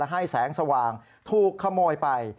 ให้แสงสว่างถูกขโมยไป